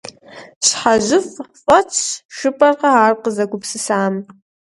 ЩхьэжьыфӀ фӀэтщ, жыпӀэркъэ ар къэзыгупсысам!